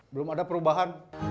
belum ada perubahan